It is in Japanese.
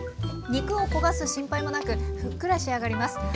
肉を焦がす心配もなくふっくら仕上がります。